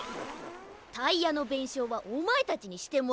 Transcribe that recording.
タイヤのべんしょうはおまえたちにしてもらうからな。